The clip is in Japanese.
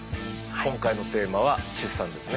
今回のテーマは出産ですね。